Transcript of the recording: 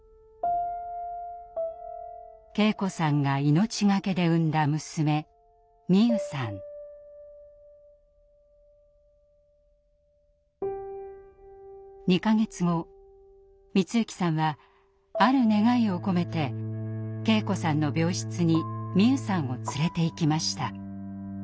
圭子さんが命懸けで産んだ娘２か月後光行さんはある願いを込めて圭子さんの病室に美夢さんを連れていきました。